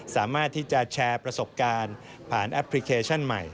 สามารถที่จะแชร์ประสบการณ์ผ่านแอปพลิเคชันใหม่